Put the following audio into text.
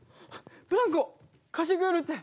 ブランコ貸してくれるって！